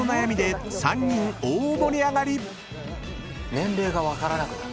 年齢が分からなくなる。